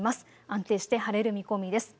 安定して晴れる見込みです。